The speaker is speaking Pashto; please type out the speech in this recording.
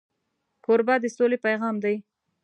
کوربه د سولې پیغام دی.